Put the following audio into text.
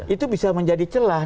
itu bisa menjadi celah